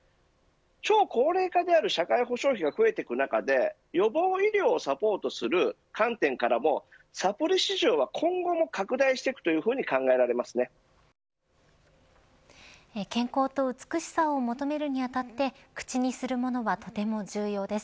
超高齢化である社会保障費が増えていく中で予防医療をサポートする観点からも、サプリ市場は今後も拡大していくと健康と美しさを求めるにあたって口にするものはとても重要です。